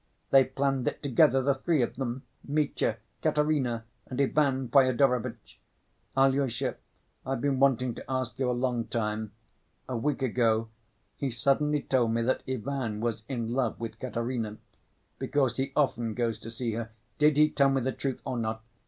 They've planned it together, the three of them—Mitya, Katerina, and Ivan Fyodorovitch. Alyosha, I've been wanting to ask you a long time. A week ago he suddenly told me that Ivan was in love with Katerina, because he often goes to see her. Did he tell me the truth or not?